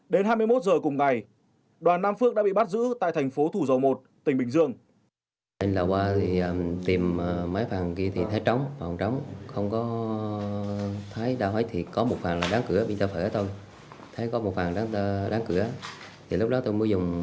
đến hai mươi một h cùng ngày đoàn nam phước đã bị bắt giữ tại tp thủ dầu một tỉnh bình dương